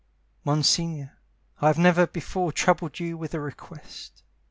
Monsignore, I have never before troubled you with a request.